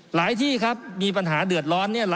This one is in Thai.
ที่ครับมีปัญหาเดือดร้อนเนี่ย